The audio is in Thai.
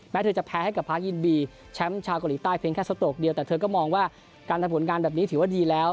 เธอจะแพ้ให้กับพาร์คอินบีแชมป์ชาวเกาหลีใต้เพียงแค่สโตรกเดียวแต่เธอก็มองว่าการทำผลงานแบบนี้ถือว่าดีแล้ว